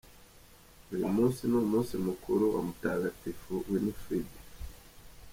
Uyu munsi nu umunsi mukuru wa Mutagatifu Winifred.